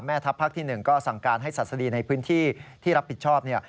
ทัพภาคที่๑ก็สั่งการให้ศาสดีในพื้นที่ที่รับผิดชอบเนี่ย